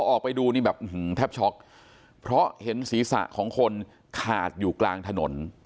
ออกไปดูนี่แบบแทบช็อกเพราะเห็นศีรษะของคนขาดอยู่กลางถนน